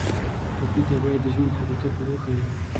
ټپي ته باید د ژوند حقیقت ور وښیو.